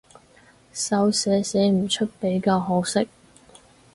手寫寫唔出比較可惜